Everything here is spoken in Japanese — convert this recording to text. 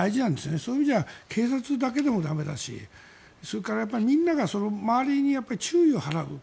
そういう意味では警察だけでも駄目だしそれから、みんなが周りに注意を払う。